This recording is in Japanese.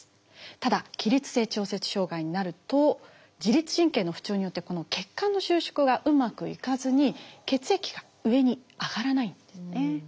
ただ起立性調節障害になると自律神経の不調によってこの血管の収縮がうまくいかずに血液が上に上がらないんですね。